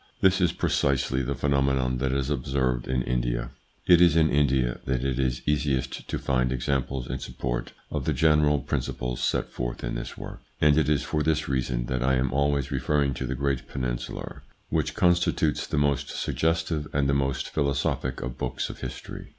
This is precisely the phenomenon that is observed in India. It is in India that it is easiest to find examples in support of the general principles set forth in this work, and it is for this reason that I am always referring to the great peninsular, which constitutes the most suggestive and the most philosophic of books of history.